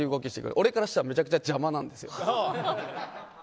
俺からしたらめちゃくちゃ邪魔なんですよ。